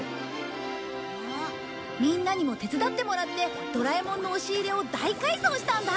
みんなにも手伝ってもらってドラえもんの押し入れを大改造したんだ！